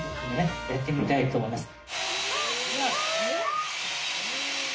やってみたいと思います。